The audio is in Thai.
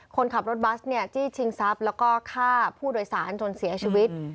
คนขับรถบัสเนี่ยจี้ชิงทรัพย์แล้วก็ฆ่าผู้โดยสารจนเสียชีวิต